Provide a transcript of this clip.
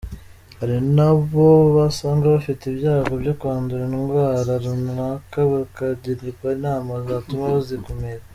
Hari n’abo basanga bafite ibyago byo kwandura indwara runaka bakagirwa inama zatuma bazikumira.